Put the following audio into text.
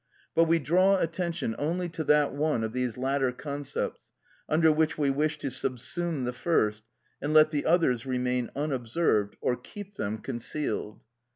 But we draw attention only to that one of these latter concepts, under which we wish to subsume the first, and let the others remain unobserved, or keep them concealed.